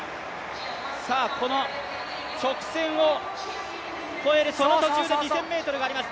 この直線を越えるその途中で２０００ｍがあります。